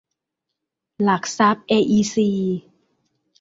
หลักทรัพย์ เออีซี